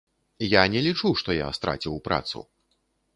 Я не лічу, што я страціў працу.